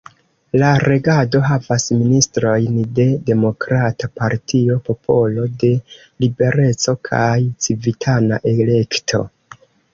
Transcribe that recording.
La regado havas ministrojn de Demokrata Partio, Popolo de Libereco kaj Civitana Elekto.